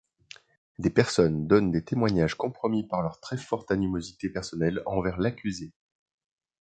Des personnes donnent des témoignages compromis par leur très forte animosité personnelle envers l'accusée.